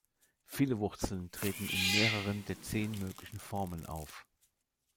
Viele Wurzeln treten in mehreren der zehn möglichen Formen auf.